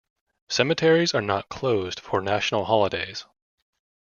Cemeteries are not closed for national holidays.